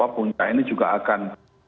puncak ini juga akan